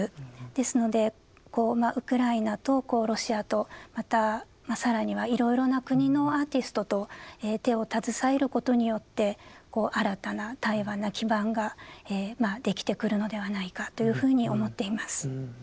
ですのでこうまあウクライナとこうロシアとまた更にはいろいろな国のアーティストと手を携えることによって新たな対話の基盤が出来てくるのではないかというふうに思っています。